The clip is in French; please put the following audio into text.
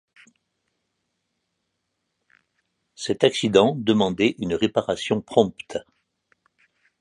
Cet accident demandait une réparation prompte.